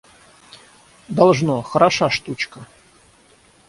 Должно, хороша штучка!